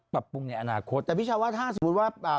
ปรับปรุงในอนาคตแต่พี่ชาวว่าถ้าสมมุติว่าอ่า